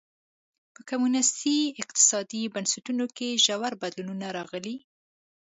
په کمونېستي اقتصادي بنسټونو کې ژور بدلونونه راغلي.